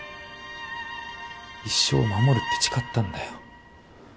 一生守るって誓ったんだよ。